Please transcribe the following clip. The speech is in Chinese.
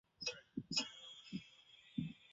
萨森豪森是德国图林根州的一个市镇。